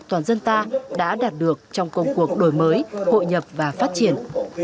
toàn dân ta đã đạt được trong công cuộc đổi mới hội nhập và phát triển